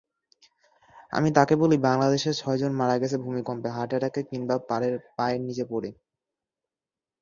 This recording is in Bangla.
আমি তাঁকে বলি, বাংলাদেশে ছয়জন মারা গেছে ভূমিকম্পে—হার্ট অ্যাটাকে, কিংবা পায়ের নিচে পড়ে।